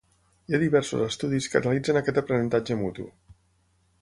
Hi ha diversos estudis que analitzen aquest aprenentatge mutu.